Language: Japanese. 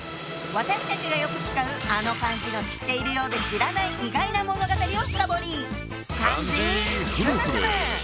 私たちがよく使うあの漢字の知っているようで知らない意外な物語を深堀り！